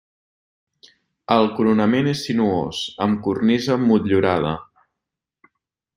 El coronament és sinuós, amb cornisa motllurada.